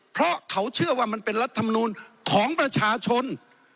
เพราะเขาเชื่อว่ามันเป็นรัฐมนูลของประชาชน